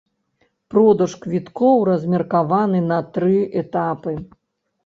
Продаж квіткоў размеркаваны на тры этапы.